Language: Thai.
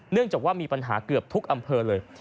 เนื่องจากว่ามีปัญหาเกือบทุกอำเภอเลย